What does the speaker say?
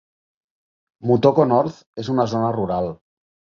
Mutoko North és una zona rural.